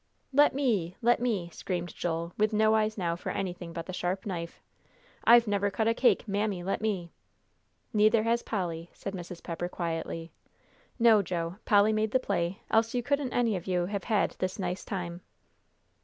"Let me let me!" screamed Joel, with no eyes now for anything but the sharp knife "I've never cut a cake. Mammy, let me!" "Neither has Polly," said Mrs. Pepper, quietly. "No, Joe, Polly made the play, else you couldn't any of you have had this nice time."